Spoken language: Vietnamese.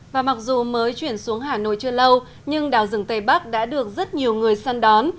và mặc dù mới chuyển xuống hà nội chưa lâu nhưng đảo rừng tây bắc đã được rất nhiều người săn đón